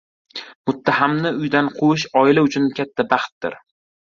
Muttahamni uydan quvish oila uchun katta baxtdir.